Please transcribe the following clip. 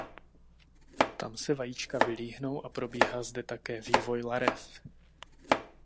Tam se vajíčka vylíhnou a probíhá zde také vývoj larev.